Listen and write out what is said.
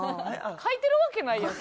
書いてるわけないやん